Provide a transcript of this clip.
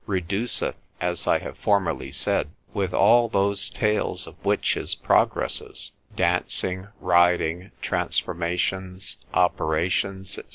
reduceth (as I have formerly said), with all those tales of witches' progresses, dancing, riding, transformations, operations, &c.